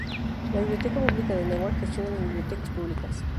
La Biblioteca Pública de Newark gestiona las bibliotecas públicas.